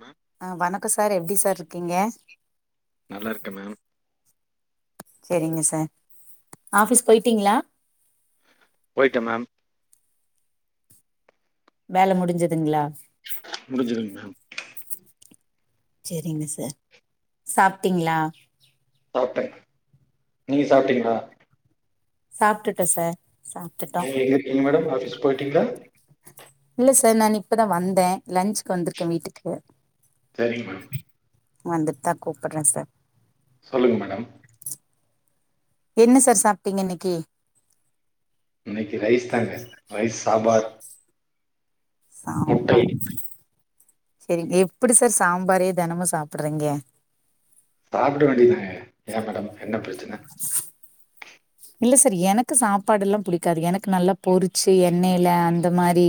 Ma'am ஆ வணக்கம் sir எப்டி சார் இருக்கீங்க நல்லா இருக்கேன் மேம் சரிங்க சார் ஆஃபிஸ் போயிட்டீங்களா போயிட்ட மேம் வேல முடிஞ்சதுங்களா முடிஞ்சதுங்க மேம் சரிங்க சார் சாப்ட்டீங்களா சாப்ட்ட நீ சாப்ட்டீங்களா சாப்ட்டுட்ட சார் சாப்ட்டுட்டோ நீங்க இருக்கீங்க மேடம் ஆஃபீஸ் போயிட்டு டீங்களா இல்ல சார் நா இப்பதா வந்தேன் லன்ச்சுக் வந்திருக்கே வீட்டுக்கு சரிங்க மேடம் வந்துட்டு தான் கூப்பிடுறேன் சார் சொல்லுங்க மேடம் என்ன சார் சாப்பிட்டீங்க இன்னிக்கு இன்னிக்கு ரைஸ் தாங்க ரைஸ் சாம்பார் முட்டை சாம்பார் சரிங்க எப்படி சார் சாம்பாரே தினமும் சாப்பிடுறீங்க சாப்பிட வேண்டியதுதாங்க ஏன் மேடம் என்ன பிரச்சனை இல்ல சார் எனக்கு சாப்பாடு எல்லாம் புடிக்காது எனக்கு நல்லா பொறிச்சு எண்ணெயில அந்த மாதிரி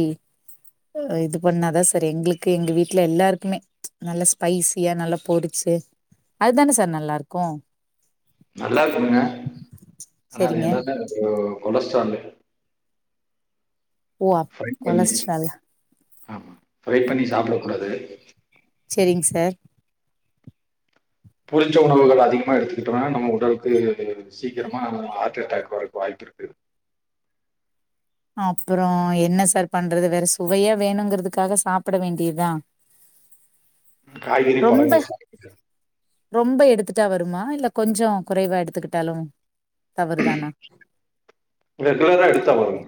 இது பண்ணாதான் சார் எங்களுக்கு எங்க வீட்டுல எல்லாருக்குமே நல்லா ஸ்பைசியா நல்லா பொறிச்சு அதுதானே சார் நல்லா இருக்கும் ஆனா அது செரிங்க எல்லாமே கொலஸ்ட்ரால் ஓ அ கொலஸ்ட்ரால் ஆமா ஃப்ரை பண்ணி சாப்பிடக் கூடாது சரிங்க சார் பொரிச்ச உணவுகள் அதிகமா எடுத்துக்கிட்டோம்னா நம்ம உடலுக்கு அது சீக்கிரமா ஹார்ட் அட்டாக் வரைக்கு வாய்ப்பு இருக்கு அப்புறம் என்ன சார் பண்றது வேற சுவையா வேணுங்கறதுக்காக சாப்பிட வேண்டியதா காய்கறி ரொம்ப பழங்கள் சாப்பிட்டு ரொம்ப எடுத்து வருமா இல்ல கொஞ்சம் குறைவா எடுத்துக்கிட்டாலும் தவறுதானா ரெகுலரா எடுத்தா வருங்க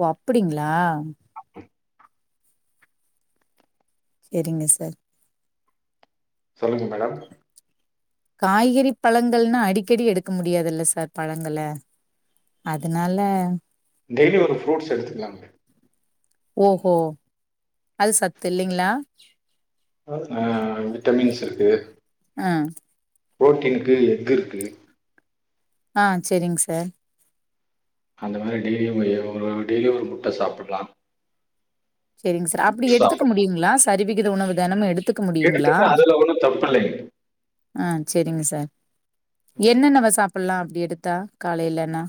ஓ அப்படிங்களா சரிங்க சார் சொல்லுங்க மேடம் காய்கறி பழங்கள்னா அடிக்கடி எடுக்க முடியாதுல்ல சார் பழங்க அதனால டெய்லி ஒரு ஃப்ரூட்ஸ் எடுத்துகலா ஓஹோ அது சத்து இல்லைங்களா ஆஹ் விட்டமின்ஸ் இருக்கு ஆஹ் புரோட்டீனுக்கு எஃக் இருக்கு ஆஹ் சரிங்க சார் அந்த மாதிரி டெய்லி ஒரு டெய்லியும் ஒரு முட்டை சாப்பிடலாம் சரிங்க சார் அப்படி எடுத்துக்க முடியுங்களா சரிவி உணவு தானம் எடுத்து எடுத்துப்ப அதுல ஒன்னும் தப்புலைங்க ஆஹ் சரிங்க சார் என்னன்னவ சாப்பிடலாம் அப்படி எடுத்தா காலையிலனா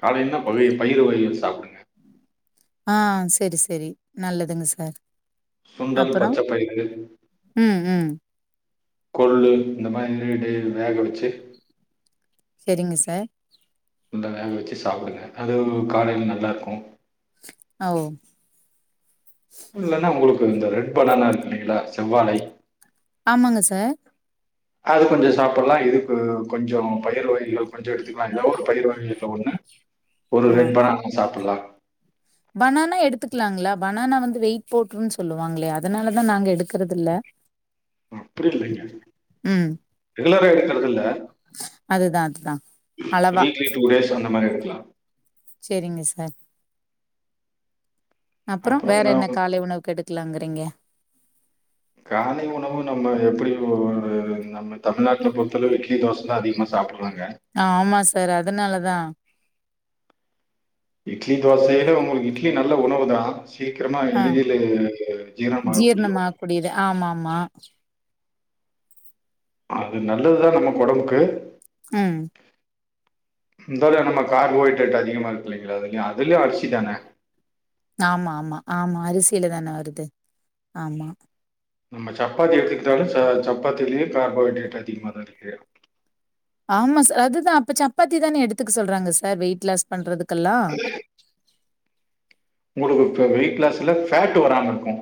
காலைனா பகை பயிறு வகை சாப்பிடுங்க ஆஹ் சரி சரி நல்லதுங்க சார் சுண்டல் அப்பறோ பச்சப்பைரு ம் ம் கொள்ளு இந்த மாரி நைட்டே வேக வச்சு ட்டு செரிங்க சார் சுணடல் வேக வச்சு சாப்டுங்க அது காலேல நல்லார்க்கு அஹ் ஓ இல்லனா உங்ளுக்கு இந்த ரெட் பனானா இருக்குல்லீங்ளா செவ்வாழை ஆமாங்க சார் அது கொஞ்ச சாப்புல்லா இதுக்கு கொஞ்சோ பயிர் வகைகள் கொஞ்சோ எடுத்துக்குலா எதா ஒரு பயிர் வகைல ஒண்ணு ஒரு ஆ ரெண்ற நாளைக்கி சாப்புல்லா க்லாங்ளா பனானா வந்து வெயிட் போட்ருன் சொல்லுவாங்ளே அதுனாலதா நாங்க எடுக்குறதில்ல அப்டி இல்லைங்க ரெகுலரா எடுக்கறதில்ல அதுதா அதுதா அளவா வீக்லி டூ டேஸ் அந்த மாரி எடுக்லா செரிங்க சார் அப்றோ அப்புறம் வேற என்ன நம் காலை உணவுக் எடுக்குலாங்குறீங்க காலை உணவு நம்ம [unintelligible] நம்ம தமிழ்நாட்ல பொறுத்தளவிக்கி தோச தா அதிகமா சாப்பு ஆமா சார் அதுனாலதா இட்லி தோசைய விட உங்களுக்கு இட்லி நல்ல உணவு தா சீக்கிரமா ஆ எளிதில ஜீரணமாக கூடிய உணவு ஜீரணமாக்கூடியது ஆமாமா. அது நல்லதுதா நமக் ஒடம்புக்கு ம் இப்பதா நம்ம கார்போஹைட்ரேட் அதிகமா இருக்கு இல்லைங்ளா அதுலியு அதுலியு அரிசி தான ஆமா ஆமா ஆமா அரிசில தான வருது ஆமா நம்ம சப்பாத்தி எடுத்துக்கிட்டாலு ச சப்பாத்திலியு கார்போஹைட்ரேட் அதிகமாதா இருக்கு ஆமா சா அதுதா அப்ப சப்பாத்தி தானே எடுத்துக்க சொல்றாங்க சார் வெயிட் லாஸ் பண்றதுக் க்கலா உங்களுக்கு இப்ப வெயிட் லாஸ்ல ஃபேட்டு வராம இருக்கும்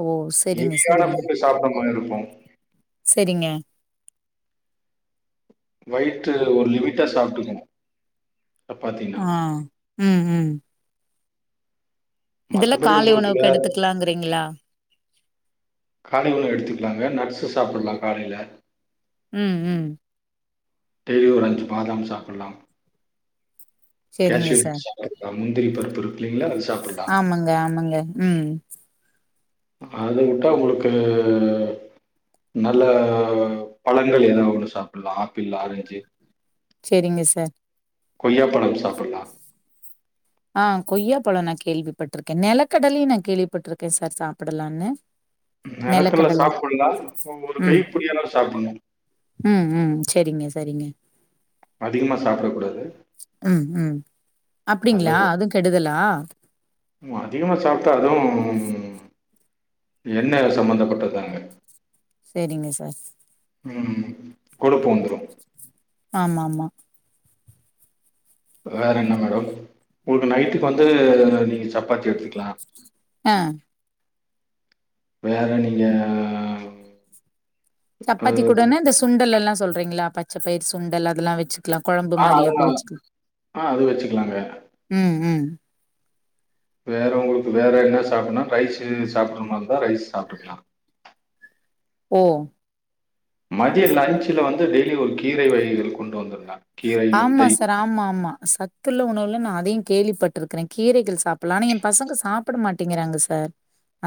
ஓ! சரிங்க, எவியான சரிங்க, ஃபுட்டு சாப்டாம கொஞ்ச இருப்போ சரிங்க. நைட்டு ஒரு லிமிட்டா சாப்ட்டுக்குணு ஆ ம் ம் இதெல்லாம் மத்தபடி காலை உங்களுக்கு உணவுக்கு வேற எடுத்துக்கலாங்கிறீங்களா? காலைவு எடுத்துக்குலாங்க நட்ஸு சாப்புல்லா காலேல ம் ம் டெய்லி ஒரு அஞ்சு பாதாம் சாப்புல்லாம் சரிங்க கேஸ்யு சார். நட்ஸ் சாப்ட்டுக்லாம் முந்திரி பருப்பு இல்லைங்ளா ஆமாங்க ஆமாங்க ம் அத உட்டா உங்ளுக்கு நல்ல பழங்கள் எதா ஒன்னு சாப்புல்லா ஆப்பிள் ஆரஞ்சு செரிங்க சார் கொய்யாப்பழம் சாப்புட்லாம் ஆ கொய்யாப்பழம் நா கேள்விப்பட்ருக்கேன் நெலக்கடலையும் நா கேள்விப்பட்ருக்கேன் சார் சாப்புடலான்னு நெலக்கடல சாப்புட்லாம் ஒரு ம், கைப்புடியளவு சாப்புட்ணு ம் ம் செரிங்க சரிங்க அதிகமா சாப்புடக் கூடாது ம், ம். நல்ல அப்டிங்களா ஒ அதுவும் கெடுதலா? அதிகமா சாப்ட்டாலு எண்ண சம்பந்தப்பட்டதாங்க செரிங்க சார் உம் குடுப்போ [inaudible] ஆமாமா வேற என்ன மேடம் உங்களுக்கு நைட்டுக் வந்து நீங்க சப்பாத்தி எடுத்துக்கலா ஆஹ் வேற நீங்க ஆ சப்பாத்தி கூடன்னா இந்த சுண்டலெல்லா சொல்றீங்களா பச்ச பயிர் சுண்டல் அதெல்லா வச்சு ஆஹ் அது நல்லா [inaudible] ஆஹ் அது வெச்சுக்கலாங்க ம் ம். வேற உங்களுக்கு வேற என்ன சாப்புட்னா ரைஸு சாப்ட்ற மார்ந்தா ரைஸ் சாப்ட்டுக்கலா ஓ மதியோ லன்ச்சுல வந்து டெய்லி ஒரு கீரை வகைகள் கொண்டு வந்துருங்க கீரை ஆமா முட்டை சார் ஆமா ஆமா சத்துள்ள உணவுல நா அதையு கேள்விப்பட்டுருக்கறே கீரைகள் சாப்பிட்லா ஆனா எ பசங்க சாப்புட மாட்டிங்கிறாங்க சார்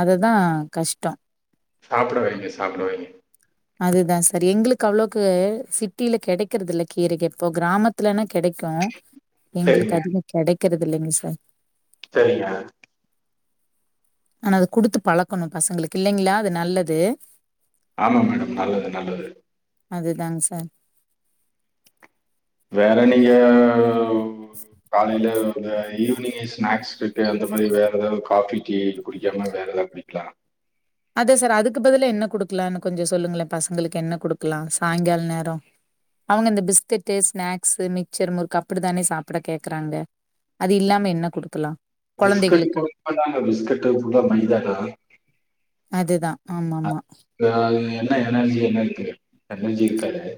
அதுதா கஷ்டோ சாப்ட வெய்ங்க சாப்ட வெய்ங்க அது தா சார் எங்களுக்கு அவ்ளோக்கு சிட்டில கெடைக்கறதில்ல கீரைக இப்போ கிராமத்துலன்னா கெடைக்கு எங்களுக்கு அதிகோ கெடைக் கறதில்லைங்க சார் செரிங்க ஆனா அது குடுத்து பழக்கணு பசங்களுக்கு இல்லைங்களா அது நல்லது ஆமா மேடம் நல்லது நல்லது அதுதாங் சார் வேற நீங்க உ காலைல உங்க ஈவினிங்கு ஸ்நாக்ஸ்க்கு அந்த மாரி வேற எதாவ் காஃபி, டீ குடிக்காம வேற எதாது குடிக்லா அதா சார் அதுக்கு பதிலா என்ன குடுக்கலானு கொஞ்ச சொல்லுங்களே பசங்களுக்கு என்ன குடுக்கலா சாய்ங்கால் நேரோ அவங்க இந்த பிஸ்கெட்டு், ஸ்நாக்ஸு, மிச்சர், முறுக்கு அப்புடி தானே சாப்ட கேக்கறாங்க அது இல்லாம என்ன குடுக்கலா பிஸ்கெட்டு் கொழந்தைகளுக்கு [inaudible] பிஸ்கெட்டு் ஃபுல்லா மைதா தா அது தா ஆமா ஆமா அது என்ன எனர்ஜி என்ன இருக்கு எனர்ஜி இருக்காதே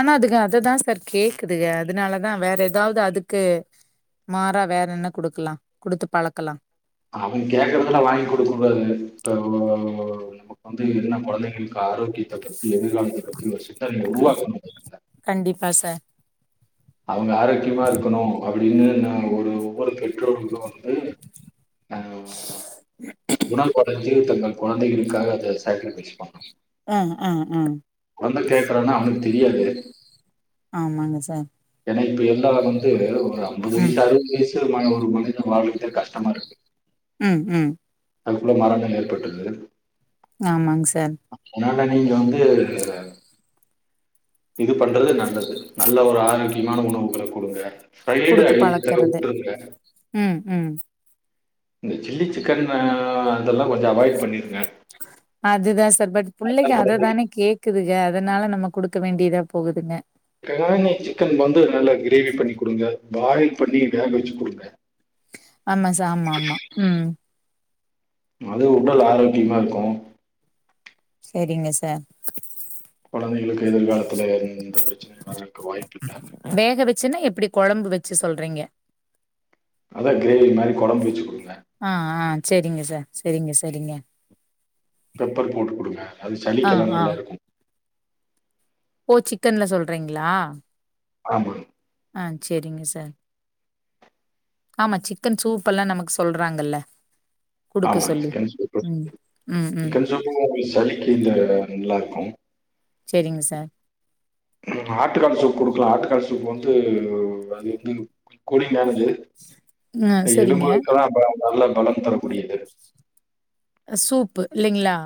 ஆனா அதுக அத தா சார் கேக்குதுக அதுனால தா வேற எதாவ்து அதுக்கு மாறா வேற என்ன குடுக்கலா குடுத்து பழக்கலா அவங்க கேக்கறதெல்லா வாங்கி குடுக்க கூடாது இப்போ நமக் வந்து என்ன கொழந்தைங்களுக்கு ஆரோக்கியத்த [inaudible] [inaudible] எதிர் காலத்த பத்தி ரொம்ப ஸ்ட்ரிட்டா நீங்க உருவாக்கணு இல்ல கண்டிப்பா சார் அவங்க ஆரோக்கியமா இருக்கணு [inaudible] அப்படின்னு நாம ஒரு [inaudible] [inaudible] வந்து ஆஹ் உணவுக்கான ஜீரண தன்ம கொழந்தைகளுக் காக அந்த சைக்கிள் [inaudible] பண்ணு ஆஹ் ஆஹ் ஹ் வந்தா கேக்குறானா அவனுக் தெரியாது ஆமாங்க சார் ஏனா இப்ப எல்லா வந்து ஒரு அம்பது ம் வயசு அறுவது வயசு [unintelligible] ஒரு மக [unintelligible] வாழ்த கஷ்டமாருக்கு உம் உம் அதுக்குள்ள மரணோ ஏற்பட்றுது ஆமாங்க ஸ [unintelligible] ஆனா நீங்க வந்து இது பண்றது நல்லது நல்ல ஒரு ஆரோக்கியமான உணவுகள கொடுங்க ஸ்பைடு குடுத்து [inaudible] பழக்கறது வுட்டுருங்க ம் ம் இந்த சில்லி சிக்கன் அதெல்லா கொஞ்சோ அவாய்ட் பண்ணிருங்க அதுதா ஷ் தர் பட் புள்ளைக அததானே கேக்குதுக அதனால நமக்கு குடுக்க வேண்டியதா போகுதுங்க கெரானி சிக்கன் வந்து நல்லா கிரேவி பண்ணி குடுங்க பாயில் பண்ணி வேக வச்சு குடுங்க ஆமா சா ஆம்மா ஆமா உம் அது உடல் ஆரோக்கியமா இருக்கு செரிங்க சார் கொழந்தைகளுக்கு எதிர்காலத்ல எந்த பிரச்சனை வரக்கு வாய்ப்பில்ல வேக வச்சுன்னா எப்டி கொழம்பு வச்சு சொல்றீங்க அதா கிரேவி மாரி கொழம்பு வச்சுக் கொடு ஆஹ் ஆ செரிங்க சார் செரிங்க செரிங்க பெப்பர் போட்டு கொடுங்க அது சளிக்கெல்லா ஆ நல்லா இருக்கு ஓ சிக்கன்ல சொல்றீங்ளா ஆமா ஆஹ் செரிங்க சார் ஆமா சிக்கன் சூப் எல்லா நமக்கு சொல்றாங்ல்ல ஆமா சிக்கன் சூப்பு ம் ம் சிக்கன் சூப்பும் சளிக்கு இந்த நல்லா இரு க்கு செரிங்க சார் ஆட்டுக்கால் சூப்பு குடுக்கலா ஆட்டுக்கால் சூப்பு வந்து அது வந்து கூலிங்கானது ம் சரிங்க எழும்புளுக்கெல்லா பல நல்ல பலம் தரக்கூடியது சூப்பு இல்லைங்களா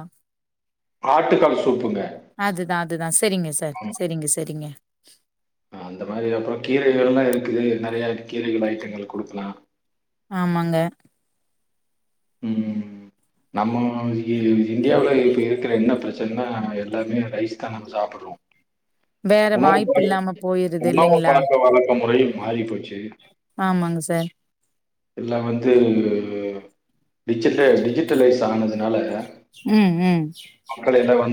ஆட்டுக்கால் சூப்புங்க அதுதான் அதுதான் சரிங்க சார் சரிங்க சரிங்க ஹ் அந்த மாதிரி அப்புறம் கீரைகள் எல்லாம் இருக்குது நெறைய கீரைகள் ஐட்டங்கள் குடுக்கலாம் ஆமாங்க உம் நம்ம இந்தியாவல இப்ப இருக்கற என்ன பிரச்சனைன்னா எல்லாமே ரைஸ் தான் நம்ம சாப்பட்றோம் வேற உணவு ப வாய்ப்பு இல்லாம போயிருது உணவு இல்லைங்களா? பழக்க வழக்க முறையில் மாறி போச்சு ஆமாங்க சார் எல்லாம் வந்து டிஜ டிஜிட்டலைஸ் ஆனதுனால உம் உம்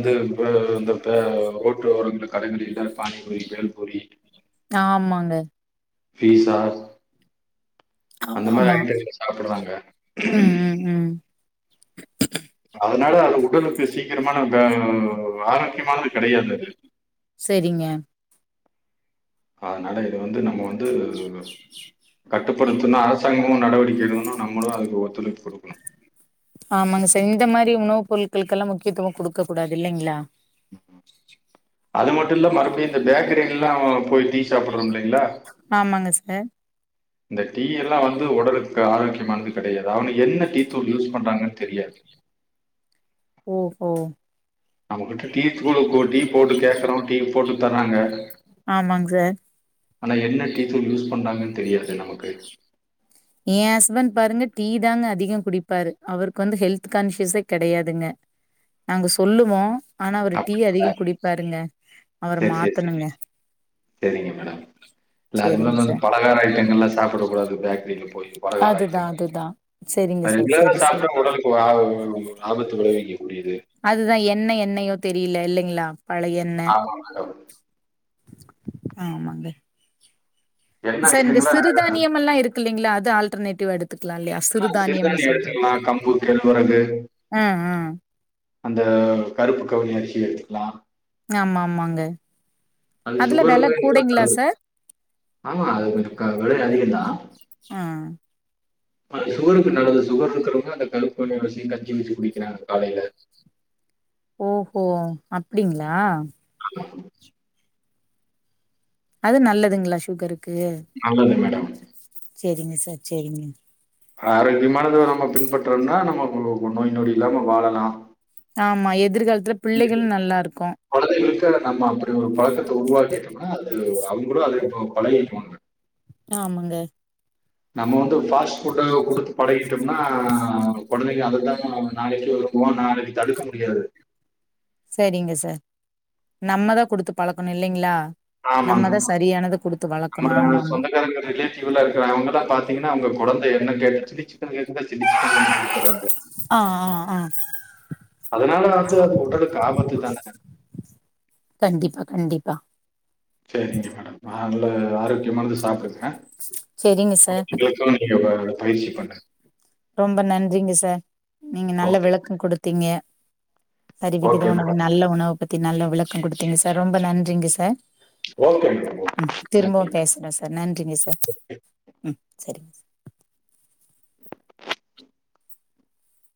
அது இ இந்தப்ப ரோட்டு ஓர கடைகளில்ல பானிபுரி பேல்பூரி ஆமாங்க பீஸா அந்த ஆமா மாரி ஆமா ஐட்டங்கள் சாப்பிடுறாங்க. உம் உம் உம் அதனால் அது உடலுக்கு சீக்கரமான அ அ முக்கியமானது கெடையாது அது சரிங்க. அதனால இத வந்து நம்ம வந்து கட்டுப்படுத்தணும் அரசாங்கமும் நடவடிக்கை எடுக்கணும் நம்மளும் அதுக்கு ஒத்துழைப்பு குடுக்கணும் ஆமாங்க சார் இந்த மாதிரி உணவுப் பொருட்களுக்கெல்லாம் முக்கியத்துவம் குடுக்க கூடாது இல்லைங்களா அது மட்டும் இல்லை மறுபடியும் இந்த பேக்கரில்லாம் போய் டீ சாப்பட்றோம் இல்லைங்களா ஆமாங்க சார் இந்த டீ எல்லாம் வந்து உடலுக்கு ஆரோக்கயமானது கெடையாது அவனுக என்ன டீ தூள் யூஸ் பண்றாங்கன்னு தெரியாது ஓ ஓ நம்மகிட்ட டீதூள் கொட்டி டீ போட்டு கேக்கறோம் டீ போட்டு தர்றாங்க ஆமாங்க சார் ஆனா என்ன டீ தூலள் யூஸ் பண்றாங்கன்னு தெரியாது நமக்கு என் ஹஸ்பண்ட் பாருங்க டீ தாங்க அதிகம் குடிப்பாரு அவருக்கு வந்து ஹெல்த் கான்சியஸே கெடையாதுங்க நாங்க சொல்லுவோம் ஆனா அவரு அப் டீ அதிகம் குடிப்பாருங்க அவர சரி சரி ச மாத்தணுங்க. சரிங்க மேடம் இல்ல அது சரிங்க மூலம் வந்து சார். பலகார ஐட்டங்கள் எல்லாம் சாப்படக்க கூடாது பேக்ரில போய் பலகார அதுதான், ஐட்டங்கள் அதுதான். சரிங்க அது சார். ரெகுலரா சரி, சரி. சாப்பிட்டா உடலுக்கு ஆபத்து விளை அதுதான் எண்ண எண்ணயோ தெரீலெ இல்லைங்ளா ஆமா மேடம் ஆமாங்க என்ன சார் இந்தெ ஐட்டங்களா சிறுதானியமெல்லாயிருக் கில்லிங்ளா அது ஆல்திர்னேட்டிவேடுத் ஆஹ் சிறுதானிய எடுத்துக்கிலா கம்பு கேள் வரகு ஆ ஆ அந்த கருப்புக் கவுனி அரிசி எத்துக்கிலா ஆம்மாம்மாங்க அந்த ஷுகருக்கு ஈவன்ட்டாகு ஆமா அது கொஞ் வெல அதிக தா ஆ அனா சுகருக்கு நல்லது சுகருக்கிறவங்க அந்த கருப்பு கவுனி அரிசி கஞ்சி வச்சி குடிக்கிறாங் காலைல ஓஹோ அப்பிடிங்ளா அது நல்லதுங்ளா ஷுகரு ஆமாங்க மேடம் சேரிங்க சார் சேரிங்க ஆரோக்கியமானத நம்ம பின்பற்றம்னா நம்ம ஒ ஒ நோய் நொடி இல்லாம வாழலா ஆமா எதிர்காலத்துல பிள்ளைகளு [unintelligible] நல்லா இருக்கு கொழந்தைகளுக்கு நம்ம அப்படி ஒரு பழக்கத்த உருவாக்கிட்டு இருக்கணு அது அவுங் கூட அது இப்போ பழகீக்கு வாங்க ஆமாங்க நம்ம வந்து ஃபாஸ் ட்டு ஃபுட்டு குடுத்து பழகிட்டம்னா கொழந்தைங்க அதுதா ம் நாளைக்கு இருப்போ நாளைக்கி தடுக்க முடியாது சரிங்க சார் நம்மதா குடுத்து பழக்குணு இல்லீங்ளா ஆமாங் நம்மோட ஆமா ஆமா சொந்தக்காரங்க ரிலேட்டிவுல்லா இருக்கற அவுங்கலா பாத்தீங்கினா அவுங்க கொழந்தய [unintelligible] எத்தன கேக்குதோ சில்லி சிக்கனா வாங்கி குடுத்துருறாங்க ஆ ஆ ஆ அதனால வந்து அந்த உடலுக்கு ஆபாத்து தானங்க கண்டிப்பா கண்டிப்பா செரிங்க மேடம் நா நல்ல ஆரோக்கியமானது சாப்பிடுவே சேரிங்க சார் பயிற்சி பண்றே ரொம்ப நன்றிங்க சார் நீங்க நல்ல ஓகே விளக்கம் குடுத்தீங்க சரிவிகித ஓகே உணவு மேடம் நல்ல உணவு பத்தி நல்ல விளக்க குடுதிங்க சார் ரொம்ப நன்றிங்க சார் ஓகே மேடம் ஓகே உம் திரும்பவு நன்றி பேசுறே சார் நன்றிங்க சார் உம் சரிங்க